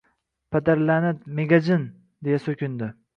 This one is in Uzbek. «Padarla’nat, megajin! — deya so‘kindi